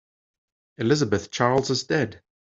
Elizabeth Charles is dead.